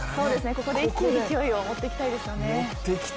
ここで一気に勢いを持ってきたいですよね。